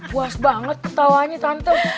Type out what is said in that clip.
buas banget ketawanya tante